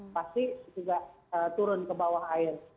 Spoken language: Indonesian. pasti juga turun ke bawah air